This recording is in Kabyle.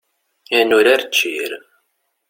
Ad nurar ččir.